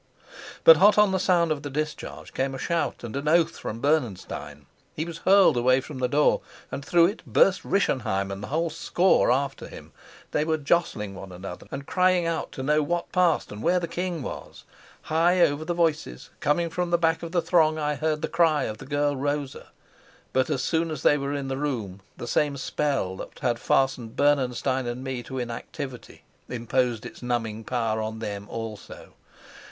But hot on the sound of the discharge came a shout and an oath from Bernenstein. He was hurled away from the door, and through it burst Rischenheim and the whole score after him. They were jostling one another and crying out to know what passed and where the king was. High over all the voices, coming from the back of the throng, I heard the cry of the girl Rosa. But as soon as they were in the room, the same spell that had fastened Bernenstein and me to inactivity imposed its numbing power on them also.